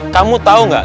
kamu tau gak